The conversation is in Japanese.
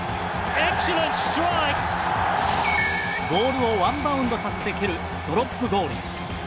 ボールをワンバウンドさせて蹴るドロップゴール。